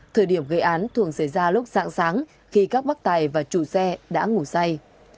thời điểm gây án thường xảy ra lúc dạng sáng khi các bác tài và chủ xe đã ngủ say